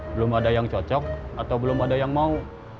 belum ada yang cocok atau belum ada yang mau